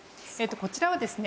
こちらはですね